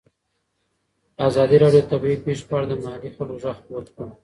ازادي راډیو د طبیعي پېښې په اړه د محلي خلکو غږ خپور کړی.